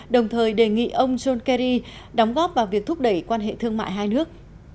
đồng thời đề nghị ông john kerry đóng góp vào việc thúc đẩy quan hệ thương mại hai nước